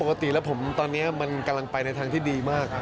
ปกติแล้วผมตอนนี้มันกำลังไปในทางที่ดีมาก